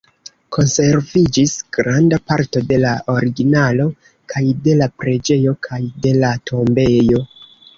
Konserviĝis granda parto de la originalo kaj de la preĝejo kaj de la tombejo.